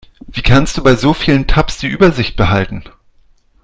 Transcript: Wie kannst du bei so vielen Tabs die Übersicht behalten?